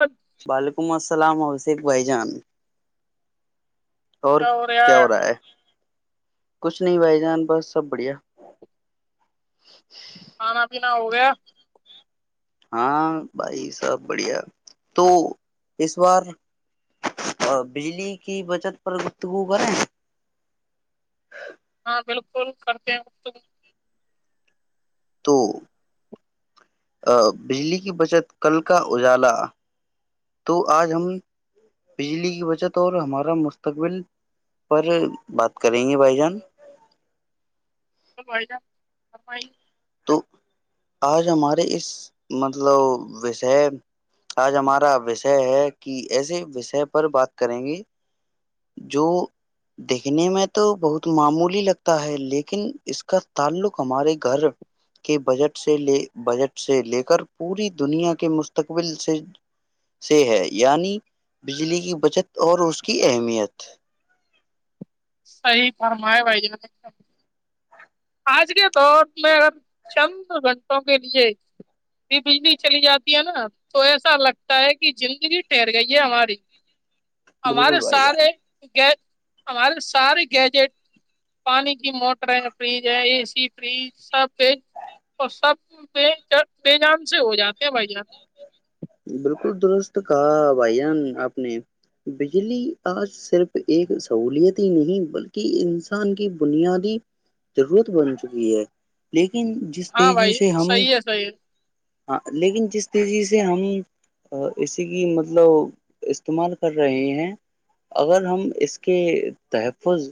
اچھا وعلیکم السلام ع ایک بھائی جان اور کیا ہو رہا ہے کچھ نہیں بھائی جان بس سب بڑھیا جان ابھی نا ہو گیا ہاں بھائی سب بڑھیا تو اس بار بجلی کی بچت پر گفتگو کریں ہاں بالکل کرتے ہیں تم تو بجلی کی بچت کل کا اجالا تو آج ہم بجلی کی بچت اور ہمارا مستقبل پر بات کریں گے بھائی جان بھائی جان فرمائیے تو آج ہمارے اس مطلب وشے آج ہمارا وشے ہے کہ ایسے وشے پر بات کریں گے جو دیکھنے میں تو بہت معمولی لگتا ہے لیکن اس کا تعلق ہمارے گھر کے بجٹ سے لے بجٹ سے لے کر پوری دنیا کے مستقبل سے سے ہے یعنی بجلی کی بچت اور اس کی اہمیت [inaudible] صحی فرم ہے بھائی جان آج کے دور میں اگر چند گھنٹوں کے لیے بھی بجلی چلی جاتی ہے نا تو ایسا لگتا ہے کہ زندگی ٹھہر گئی ہے ہماری بالکل ہمارے بھائی جان سارے گ ہمارے سارے گیجٹ پانی کی موٹریں فریج ہے اے سی فریج سب ف اور سب بےجام سے ہو جاتا کیا بائی جا کو درست کہا بھائی جان آپ نے بجلی آج صرف ایک سہولیت ہی نہیں بلکہ انسان کی بنیادی ضرورت بن چکی ہے لن ہاں بھائی صحیح ہے صحی ہے ہاں لیکن جس تیزی سے ہم اسی کی مطلب استعمال کر رہے ہیں اگر ہم اس کے تحفظ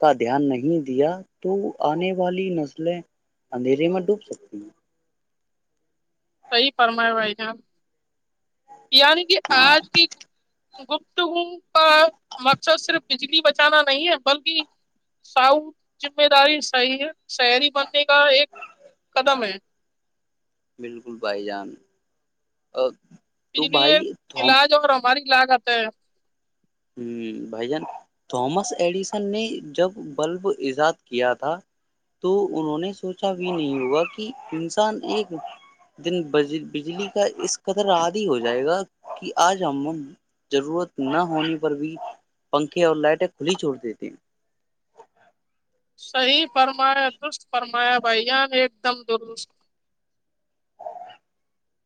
کا دھیان نہیں دیا تو آنے والی نسلیں اندھیرے میں ڈوب سکتی ہیں سحی فرمائے بھائی جب یعنی کہ ہاں آج کی گپتگو کا مقصد صرف بجلی بچانا نہیں ہے بلکہ ساؤ ذمہ داری شہری بننے کا ایک قدم ہے بالکل بھائی جان ا اس لیے علاج اور ہماری لاگ کرتے ہیں ہ بھائی جان تھامس ایڈیسن نے جب بلب ایجاد کیا تھا تو انہوں نے سوچا بھی نہیں ہوگا کہ انسان ایک دن بجلی کا اس قدر عادی ہو جائے گا کہ آج ہم ضرورت نہ ہونی پر بھی پنکھے اور لائٹیں کھلی چھوڑ دیتی صحیح فرمایا دست فرمایا بھائی جان ایک دم درست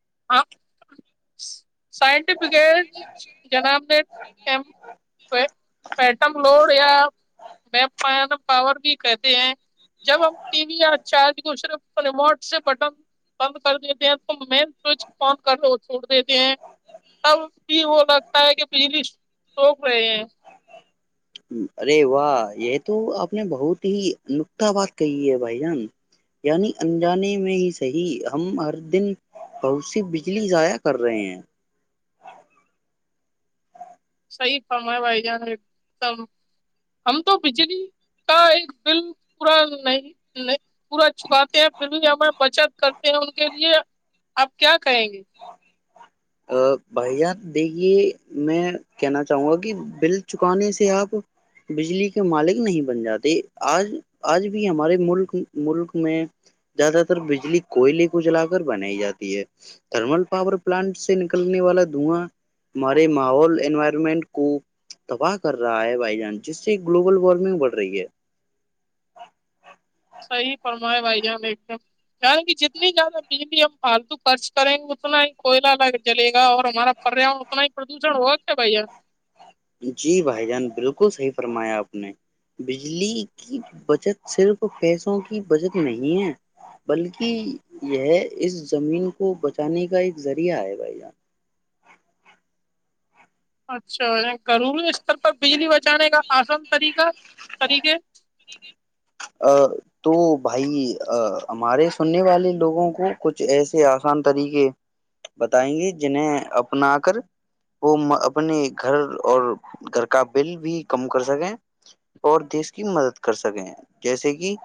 [unintelligible] [unintelligible] پاور بھی کہتے ہیں جب ہم ٹی وی یا چارج کو صرف ریموٹ سے بٹن بند کر دیتے ہیں تو مین [unintelligible] ارے واہ یہ تو آپ نے بہت ہی نکتہ بات کہی ہے بھائی جان یعنی انجانے میں ہی صحی ہم ہر دن بہت سی بجلی ضاائع کر رہے ہیں صحیح فم ہے بھائی جان ایک دم ہم تو بجلی کا ایک بل پورا نہیں پورا چپاتے ہیں پھر بھی ہمیں بچت کرتے ہیں ان کے لیے آپ کیا کریں گے ا بھیا دیکھیے میں کہنا چاہوں گا کہ بل چکانے سے آپ بجلی کے مالک نہیں بن جاتے آج آج بھی ہمارے ملک ملک میں زیادہ تر بجلی کوئلے کو جلا کر بنائی جاتی ہے تھرمل پاور پلانٹ سے نکلنے والا دھواں ہمارے ماحول انوائرمنٹ کو تباہ کر رہا ہے بھائی جان جس سے گلوبل وارمنگ بڑھ رہی ہے صحی فرمائے بھائی جان ایک دم یان کہ جتنی زیادہ بجلی ہم فالتو خرچ کریں گے اتنا ہی کوئلہ جلے گا اور ہمارا پریان اتنا ہی پردوشن ہوگا کیا بھائی یہ جی بھائی جان بالکل صحیح فرمایا آپ نے بجلی کی بچت صرف پیسوں کی بچت نہیں ہے بلکہ یہ اس زمین کو بچانے کا ایک ذریعہ ہے بھائی جان اچھا ا کروں اسر پر بجلی بچانے کا آسان طریقہ سری کے ا تو بھائی ہمارے سننے والے لوگوں کو کچھ ایسے آسان طریقے بتائیں گے جنہیں اپنا کر وہ اپنے گھر اور گھر کا بل بھی کم کر سکیں اور دیش کی مدد کر سکیں جیسے کہ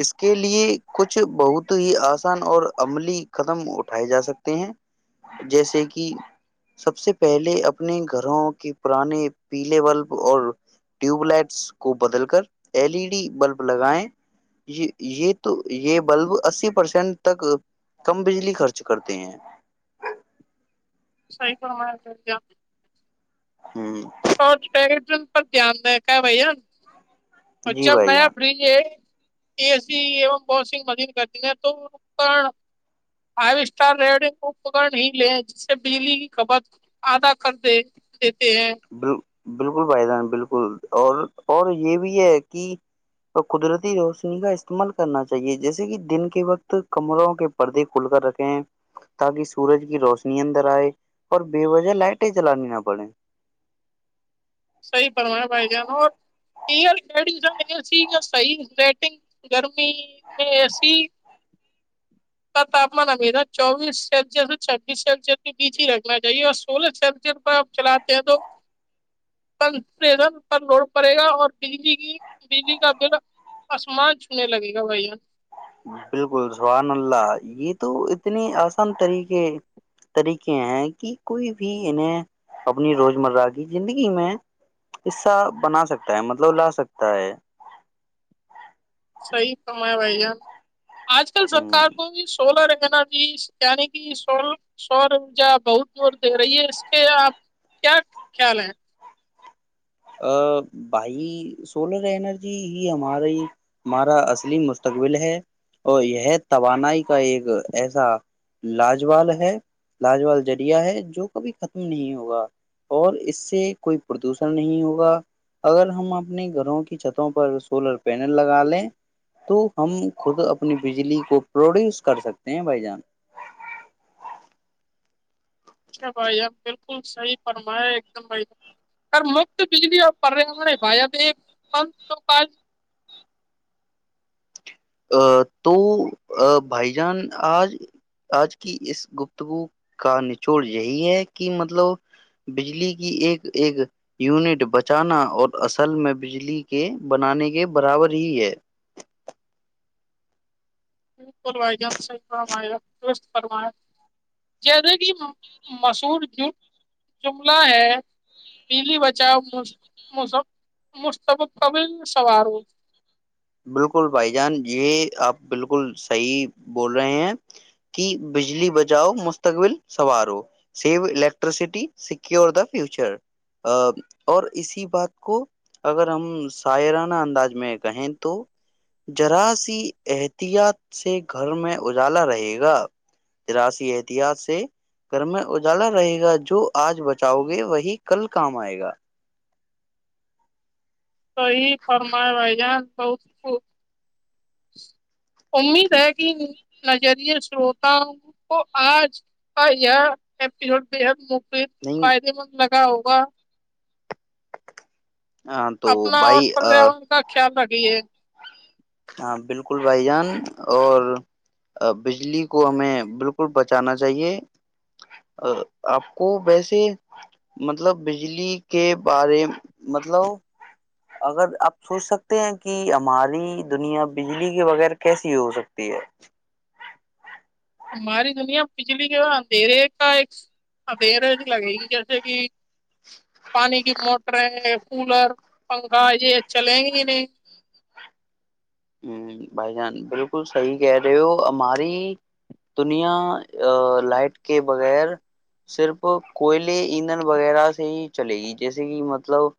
اس کے لیے کچھ بہت ہی آسان اور عملی قدم اٹھائے جا سکتے ہیں جیسے کہ سب سے پہلے اپنے گھروں کے پرانے پیلے بلب اور ٹیوب لائٹس کو بدل کر ایل ای ڈی بلب لگائیں یہ یہ تو یہ بلب اسی پرسینٹ تک کم بجلی خرچ کرتے ہیں صحیح کروا کیا ھممم اور ٹیلیوژن پر دھیان دے کاا ہے بھیا جی اچم بھائی میںیا جان فریج ہے ا سی ای واشنگ مشین کرتی ہیں توکر فائیو اسٹار ریڈگ اپکر ہی لے جس سے بجلی کی کپت آدا کر د دیتے ہیں بالکل بھائی جان بالکل اور اور یہ بھی ہے کہ قدرتی روشنی کا استعمال کرنا چاہیے جیسے کہ دن کے وقت کمروں کے پردے کھل کر رکھیں تاکہ سورج کی روشنی اندر آئے اور بے وجہ لائٹیں چلانی نہ پڑے صی فما بھائی جان اور ایئر کڈیشن ای صحی ریٹگ گرمی میں ایسی کا تاپمان امییرا چوبیس سسیس سے چھبیس سینسیس کے بیچ ہی رکھنا چاہیے اور سولہ سلر پ آپ چلاتے ہیں تو ن پر لوڑ پڑے گا اور بجلی کی بجلی کا بل آسمان چھونے لگے گا بھیا بالکل سہان اللہ یہ تو اتنی آسان طریقے طریقے ہیں کہ کوئی بھی انہیں اپنی روز مرہ کی زندگی میں حصہ بنا سکتا ہے مطلب لا سکتا ہے صحی کام ہے بھیا آج کل ہ سرکار کو بھی سولر [unintelligible] بائی سولر انرجی ہی ہماری ہمارا اصلی مستقبل ہے اور یہ توانائی کا ایک ایسا لاجوال ہے لاجوال جرییا ہے جو کبھی ختم نہیں ہوگا اور اس سے کوئی پردوشن نہیں ہوگا اگر ہم اپنے گھروں کی چھتوں پر سولر پینل لگا لیں تو ہم خود اپنی بجلی کو پروڈیوس کر سکتے ہیں بھائی جان اچھا بھائی اب بالکل صحیح فرمایا ایک دم بھائی ا مفت بجلی اور پے ہوے بھائی اب پنت توج ا تو بھائی جان آج آج کی اس گپتگو کا نچوڑ یہی ہے کہ مطلب بجلی کی ایک ایک یونٹ بچانا اور اصل میں بجلی کے بنانے کے برابر ہی ہے فرما فرمایا جیسے کہ مشہور جملہ ہے پیلی بچاؤ مشب قبل سواروں بالکل بھائی جان یہ آپ بالکل صحیح بول رہے ہیں کہ بجلی بچاؤ مستقبل سنوارو save electricity secure the future اور اسی بات کو اگر ہم سائرانہ انداز میں کہیں تو جذراثی احتیاط سے گھر میں اجالا رہے گا جراثی احتیاط سے گھر میں اجالا رہے گا جو آج بچاؤ گے وہی کل کام آئے گا توی فرما بھائی جان بہت امید ہے کہ نظری شروتا کو آج کا یہ ایپیسوڈ بے حد م نہیں [unintelligible] ہوگا ہاں تو اپنا اور بھائی پریاورن کا خیال رکھیے ہاں بالکل بھائی جان اور بجلی کو ہمیں بالکل بچانا چاہیے آپ کو ویسے مطلب بجلی کے بارے مطلب اگر آپ سوچ سکتے ہیں کہ ہماری دنیا بجلی کے بغیر کیسی ہو سکتی ہے ہماری دنیا بجلی کے اندھیرے کا ایک اندھیرے لگے گی جیسے کہ پانی کی موٹریں کولر پنکھا یہ چلیں گی نہیں ہ بھائی جان بالکل صحیح کہہ رہے ہو ہماری دنیا لائٹ کے بغیر صرف کوئلے ایندھن وغیرہ سے ہی چلے گی جیسے کہ مطلب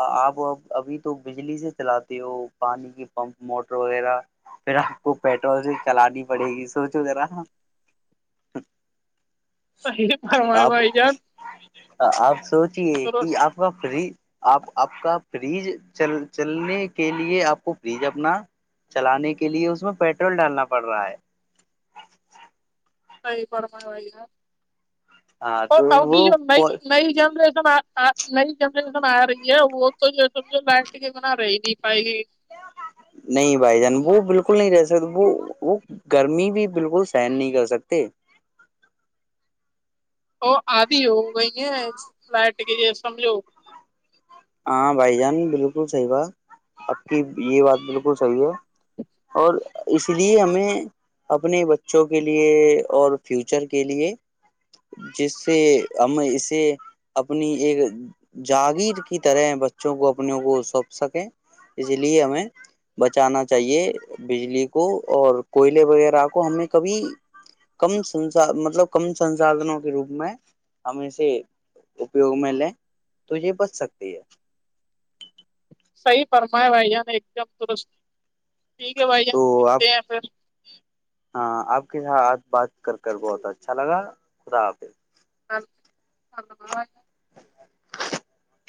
آپ ا ابھی تو بجلی سے چلاتے ہو پانی کے پمپ موٹر وغیرہ پھر آپ کو پیٹرول سے چلانی پڑے گی سوچو ذرا صحیح فرمائے آپ بھائی جان آپ سوچے کہ درست آپ کا فری آپ آپ کا فریج چل چلنے کے لیے آپ کو فریج ا اپنا چلانے کے لیے اس میں پیٹرول ڈالنا پڑ رہا ہے صحیح فرمایا بھائی جان ہاں اور تو آؤگی جو نئی وہ نئی جنریشن آ [unintelligible] نہیں بھائی جان وہ بالکل نہیں رہ سکتے وہ وہ گرمی بھی بالکل سہن نہیں کر سکتے وہ آدھی ہو گئی ہیں فلائٹ کی سمجھو ہاں بھائی جان بالکل صحیح بات اب کی یہ بات بالکل صحیح ہے اور اس لیے ہمیں اپنے بچوں کے لیے اور فیوچر کے لیے جس سے ہم اسے اپنی ایک جاگیر طرح بچوں کو اپنےوں کو سوپ سکیں اس لیے ہمیں بچانا چاہیے بجلی کو اور کوئلے وغیرہ کو ہمیں کبھی کم س مطلب کم سنسھنوں کے روپ میں ہمیں سے اپیوگ میں لیں تو یہ بچ سکتے ٹھ ہے صحیح فرمایا بھائی جان ایک دم در ست تو آپ ہاں آپ ہاں بات کر کر بہت اچھا لگا خدا حافظ [inaudible] [inaudible]